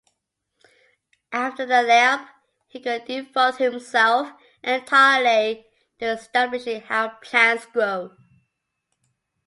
After the lab, he could devote himself entirely to establishing how plants grow.